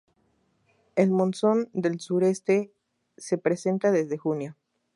El monzón del sureste se presenta desde junio.